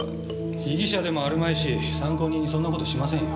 被疑者でもあるまいし参考人にそんな事しませんよ。